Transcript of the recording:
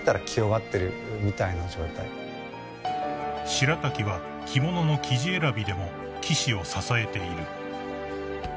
［白瀧は着物の生地選びでも棋士を支えている］